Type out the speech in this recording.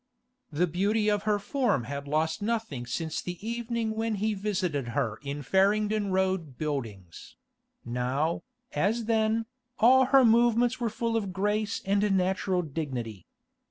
The beauty of her form had lost nothing since the evening when he visited her in Farringdon Road Buildings; now, as then, all her movements were full of grace and natural dignity.